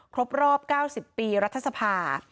ครบรอบ๙๐ปีรัฐสภา